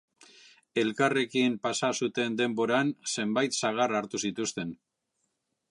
Elkarrekin pasa zuten denboran, zenbait sagar hartu zituzten.